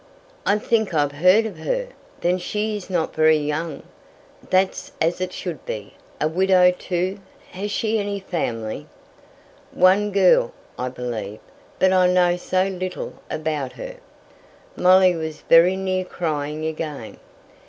"I think I've heard of her. Then she's not very young? That's as it should be. A widow too. Has she any family?" "One girl, I believe. But I know so little about her!" Molly was very near crying again.